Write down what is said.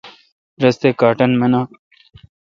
رس تہ کاٹن منان۔